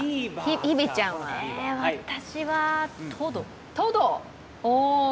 私はトド。